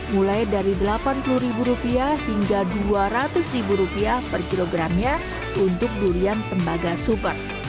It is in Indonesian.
mulai dari rp delapan puluh hingga rp dua ratus per kilogramnya untuk durian tembaga super